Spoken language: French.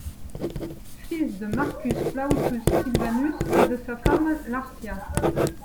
Fils de Marcus Plautius Silvanus et de sa femme Lartia.